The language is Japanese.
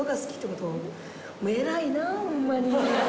偉いなホンマに。